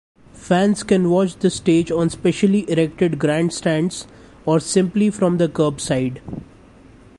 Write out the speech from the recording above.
Fans can watch the stage on specially erected grandstands or simply from the curbside.